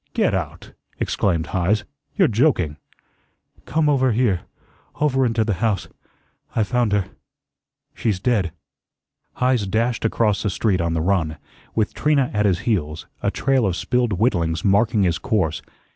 "Get out!" exclaimed Heise, "you're joking." "Come over here over into the house I found her she's dead." Heise dashed across the street on the run, with Trina at his heels, a trail of spilled whittlings marking his course.